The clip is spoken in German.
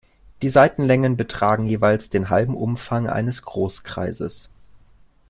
Die Seitenlängen betragen jeweils den halben Umfang eines Großkreises.